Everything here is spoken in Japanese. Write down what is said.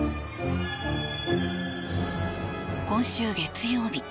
今週月曜日